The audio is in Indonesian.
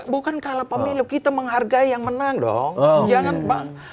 bukan kalah pemilu kita menghargai yang menang dong